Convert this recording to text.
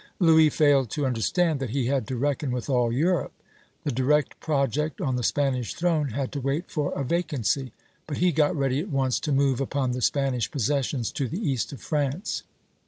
Louis failed to understand that he had to reckon with all Europe. The direct project on the Spanish throne had to wait for a vacancy; but he got ready at once to move upon the Spanish possessions to the east of France.